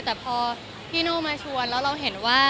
แต่พอพี่โน่มาชวนแล้วเราเห็นว่า